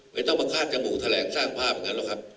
ไม่ต้องมาคาดจมูกแถลงสร้างภาพอย่างนั้นหรอกครับ